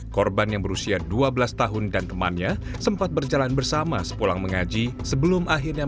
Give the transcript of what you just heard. korban yang berusia dua belas tahun dan temannya sempat berjalan bersama sepulang mengaji sebelum akhirnya mereka berpisah di ujung gang